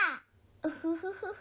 ウフフフフ。